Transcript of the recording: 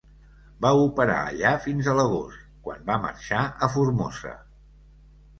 Va operar allà fins a l'agost, quan va marxar a Formosa.